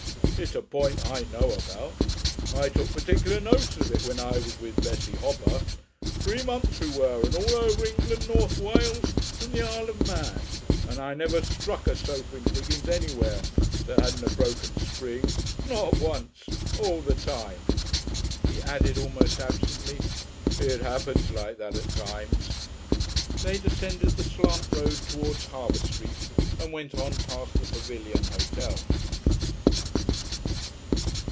It's a point I know about. I took particular notice of it when I was with Bessie Hopper. Three months we were and all over England, North Wales and the Isle of Man, and I never struck a sofa in diggings anywhere that hadn't a broken spring. Not once all the time." He added almost absently: "It happens like that at times." They descended the slant road towards Harbour Street and went on past the Pavilion Hotel.